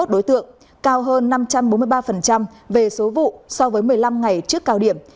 một trăm chín mươi một đối tượng cao hơn năm trăm bốn mươi ba về số vụ so với một mươi năm ngày trước cao điểm